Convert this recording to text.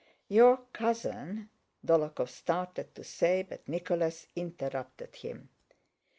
"Your cousin..." Dólokhov started to say, but Nicholas interrupted him.